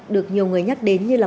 được nhiều người nhắc đến như là